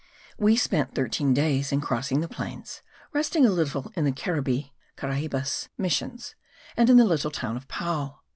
We spent thirteen days in crossing the plains, resting a little in the Caribbee (Caraibes) missions and in the little town of Pao.